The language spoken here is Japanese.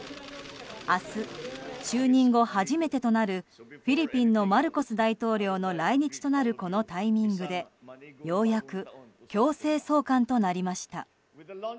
明日、就任後初めてとなるフィリピンのマルコス大統領の来日となるこのタイミングでようやく強制送還となりました。